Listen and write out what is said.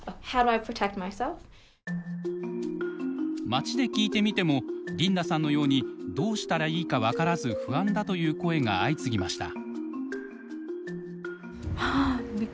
街で聞いてみてもリンダさんのようにどうしたらいいか分からず不安だという声が相次ぎました。